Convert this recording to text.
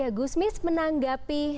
ya gusmis menanggapi